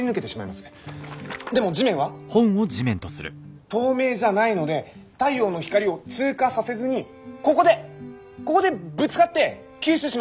でも地面は透明じゃないので太陽の光を通過させずにここでここでぶつかって吸収します。